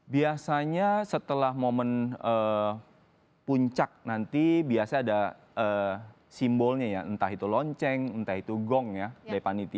biasanya setelah momen puncak nanti biasa ada simbolnya ya entah itu lonceng entah itu gong ya dari panitia